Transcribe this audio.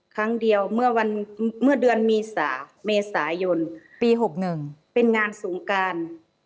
ครั้งเดียวเมื่อเดือนเมษายนปี๖๑เป็นงานสงการ